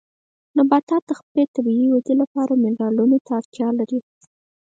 نباتات د خپلې طبیعي ودې لپاره منرالونو ته اړتیا لري.